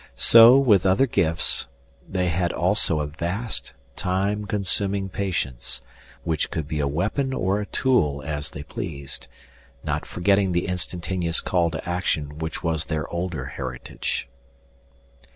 So, with other gifts, they had also a vast, time consuming patience, which could be a weapon or a tool, as they pleased not forgetting the instantaneous call to action which was their older heritage.